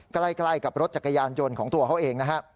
ใกล้กับรถจักรยานยนต์ของตัวเขาเองนะฮะ